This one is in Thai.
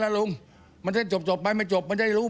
ที่มันก็มีเรื่องที่ดิน